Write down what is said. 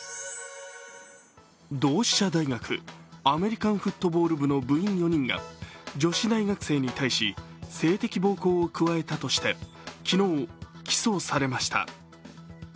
同志社大学、アメリカンフットボール部の部員４人が女子大学生に対し性的暴行を加えたとして昨日、起訴されました。